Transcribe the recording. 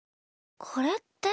これって？